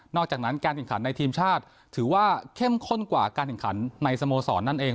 อกจากนั้นการแข่งขันในทีมชาติถือว่าเข้มข้นกว่าการแข่งขันในสโมสรนั่นเอง